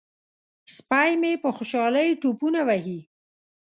سپی مې په خوشحالۍ ټوپونه وهي.